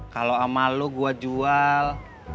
kalau sama lu gue jual